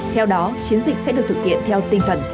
theo đó chiến dịch sẽ được thực hiện theo tinh thần